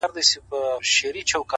• د کرونا ویري نړۍ اخیستې,